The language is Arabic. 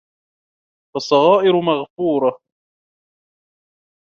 فَالصَّغَائِرُ مَغْفُورَةٌ